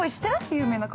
有名な川。